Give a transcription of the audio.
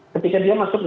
ketika dia masuk